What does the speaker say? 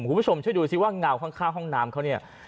คุณผู้ชมช่วยดูซิว่าเงาข้างห้องน้ำเขาเนี่ย